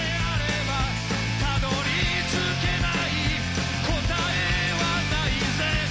「たどり着けない答えはないぜ」